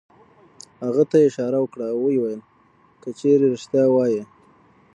هغه ته یې اشاره وکړه او ویې ویل: که چېرې رېښتیا وایې.